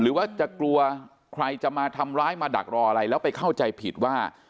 หรือว่าจะกลัวใครจะมาทำร้ายมาดักรออะไรแล้วไปเข้าใจผิดว่า